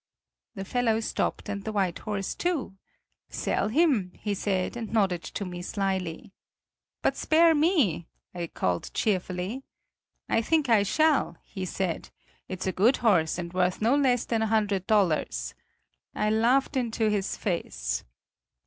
"The fellow stopped, and the white horse, too. 'Sell him,' he said, and nodded to me slyly. "'But spare me!' I called cheerfully. "'I think I shall!' he said; 'it's a good horse and worth no less than a hundred dollars.' "I laughed into his face.